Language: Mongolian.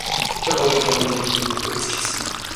Тэр хоёр л уг нь энэ хэргийг үйлдчихсэн юм.